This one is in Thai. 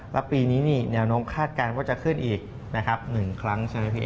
แล้วปีนี้เนียลโน้มคาดการณ์ว่าจะขึ้นอีก๑ครั้งใช่ไหมพี่เอก